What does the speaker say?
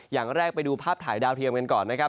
อย่างแรกไปดูภาพถ่ายดาวเทียมกันก่อนนะครับ